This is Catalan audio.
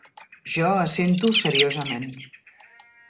Jo assento seriosament.